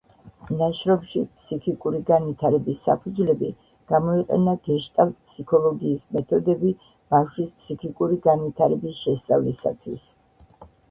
ნაშრომში „ფსიქიკური განვითარების საფუძვლები“ გამოიყენა გეშტალტ-ფსიქოლოგიის მეთოდები ბავშვის ფსიქიკური განვითარების შესწავლისათვის.